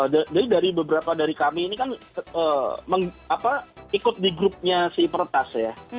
jadi dari beberapa dari kami ini kan ikut di grupnya si ipertas ya